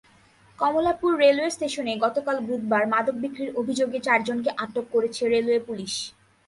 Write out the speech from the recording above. Kamalapur railway স্টেশনে গতকাল বুধবার মাদক বিক্রির অভিযোগে চারজনকে আটক করেছে রেলওয়ে পুলিশ।